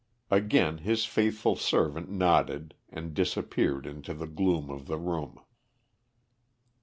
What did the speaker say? Again his faithful servant nodded, and disappeared into the gloom of the room.